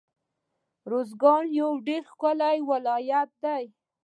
روزګان يو ډير ښکلی ولايت دی